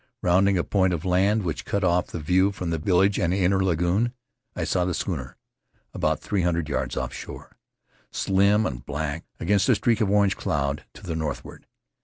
Rounding a point of land which cut off the view from the village and the inner lagoon, I saw the schooner, about three hundred yards off shore, slim and black against a streak of orange cloud to the northward.